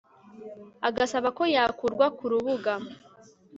agasaba ko yakurwaga kurubuga